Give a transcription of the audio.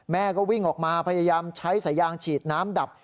แม่ก็วิ่งออกมาพยายามใช้สายยางฉีดน้ำดับ